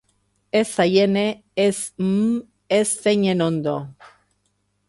Ez aiene, ez ummm, ez zeinen ondo.